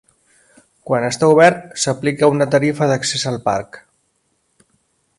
Quan està obert, s'aplica una tarifa d'accés al parc.